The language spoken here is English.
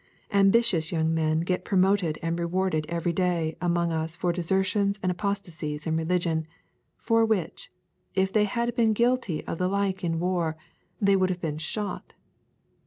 Ambitious young men get promotion and reward every day among us for desertions and apostasies in religion, for which, if they had been guilty of the like in war, they would have been shot.